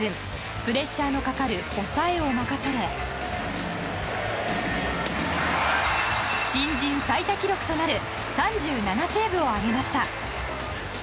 プレッシャーのかかる抑えを任され新人最多記録となる３７セーブを挙げました。